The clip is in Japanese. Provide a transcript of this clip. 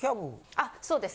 あそうです。